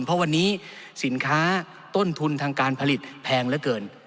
เพราะวันนี้สินค้าต้นทุนทางการผลิตแพงเหลือเกิน